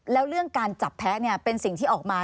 แล้วเรื่องการจับแพ้เป็นสิ่งที่ออกมา